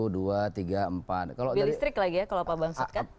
dua tiga empat